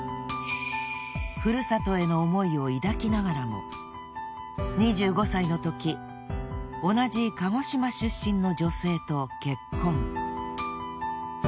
故郷への思いを抱きながらも２５歳のとき同じ鹿児島出身の女性と結婚。